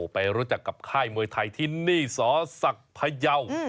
ไปรู้จักกับค่ายมวยไทยที่นี่สศักดิ์พยาว